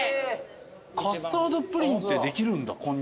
カスタードプリンってできるんだこんにゃくで。